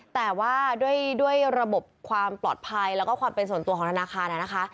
แต่ว่าด้วยระบบความปลอดภัยแล้วก็ความเป็นส่วนตัวของธนาคารนะคะ